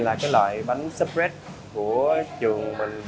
đây là bánh gì đây tường